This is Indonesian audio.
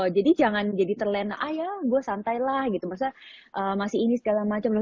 jadi jangan jadi terlena ah ya gue santailah masih ini segala macam